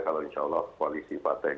kalau insya allah koalisi pak tng